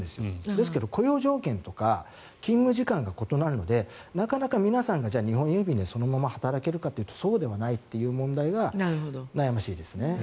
ですけど、雇用条件とか勤務時間が異なるのでなかなか皆さんが日本郵便でそのまま働けるかというとそうではないという問題が悩ましいですね。